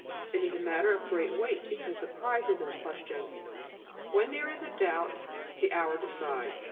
It is a matter of great weight, because the prize is in question. When there is a doubt, the hour decides.